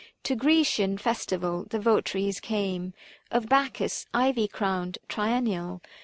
To Grecian festival the votaries came, Of Bacchus ivy crowned triennial.